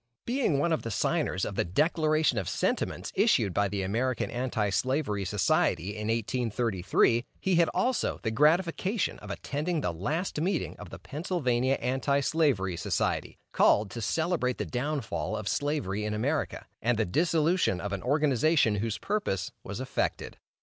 Being one of the signers of the "Declaration of Sentiments," issued by the American Anti slavery Society in 1833, he had also the gratification of attending the last meeting of the Pennsylvania Anti slavery Society, called to celebrate the downfall of Slavery in America, and the dissolution of an organization whose purpose was effected.